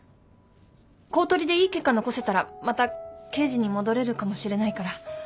公取でいい結果残せたらまた刑事に戻れるかもしれないから。